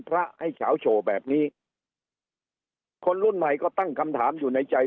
พระให้เฉาโชว์แบบนี้คนรุ่นใหม่ก็ตั้งคำถามอยู่ในใจ